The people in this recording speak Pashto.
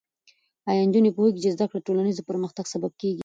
ایا نجونې پوهېږي چې زده کړه د ټولنیز پرمختګ سبب کېږي؟